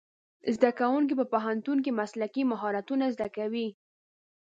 زدهکوونکي په پوهنتون کې مسلکي مهارتونه زده کوي.